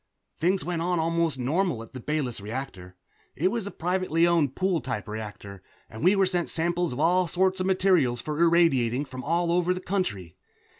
Things went on almost normally at the Bayless reactor. It was a privately owned pool type reactor, and we were sent samples of all sorts of material for irradiation from all over the country.